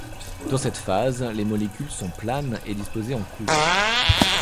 Dans cette phase, les molécules sont planes et disposées en couches.